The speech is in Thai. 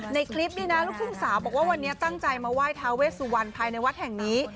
ในคลิปนี้นะลูกทุ่งสาวบอกว่าวันนี้ตั้งใจมาไหว้ทาเวสุวรรณภายในวัดแห่งนี้